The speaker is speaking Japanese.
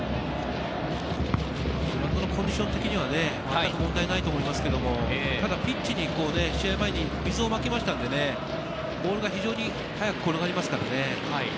コンディション的には全く問題ないと思いますけど、ただピッチに、試合前に水をまきましたのでね、ボールが非常に早く転がりますからね。